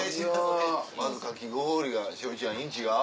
まずかき氷が栞里ちゃんいいん違う？